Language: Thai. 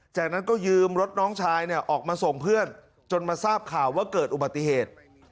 จากนั้นก็ยืมรถน้องชายออกมาส่งเพื่อนจนมาทราบข่าวว่าเกิดอุบัติเหตุ